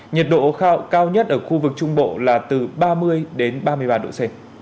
nhiệt độ cao nhất ở khu vực trung bộ là từ ba mươi đến ba mươi ba độ c